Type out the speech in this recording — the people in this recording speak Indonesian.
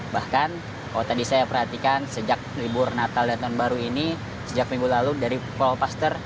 bahkan kalau tadi saya perhatikan sejak libur natal dan tahun baru ini sejak minggu lalu dari call paster